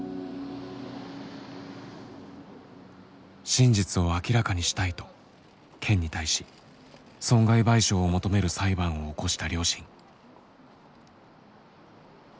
真実を明らかにしたいと県に対し損害賠償を求める裁判を起こした両親。